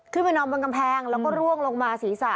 นอนบนกำแพงแล้วก็ร่วงลงมาศีรษะ